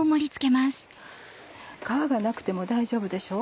皮がなくても大丈夫でしょう？